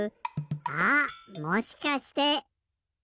あっもしかして。